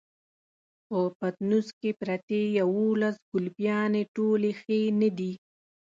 په پټنوس کې پرتې يوولس ګلپيانې ټولې ښې نه دي.